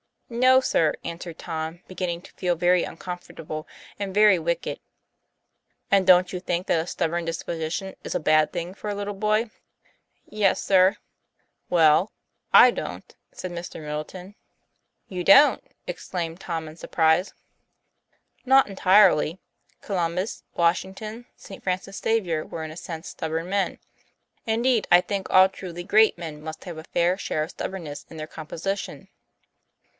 'No, sir," answered Tom, beginning to feel very uncomfortable and very wicked. " And don't you think that a stubborn disposition is a bad thing for a little boy ?" TOM PLA YFAIR. 89 "Yes, sir." "Well, I don't," said Mr. Middleton. 'You don't!" exclaimed Tom in surprise. :' Not entirely. Columbus, Washington, St. Francis Xavier were in a sense stubborn men. Indeed, I think all truly great men must have a fair share of stub bornness in their composition.